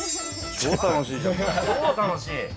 超楽しい。